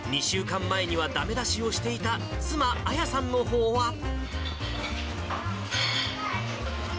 ２週間前にはだめ出しをしていた妻、亜矢さんのほうは。